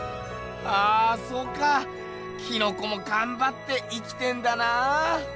ああそうかキノコもがんばって生きてんだなぁ。